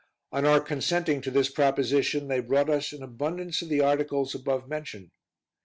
On our consenting to this proposition, they brought us an abundance of the articles above mentioned.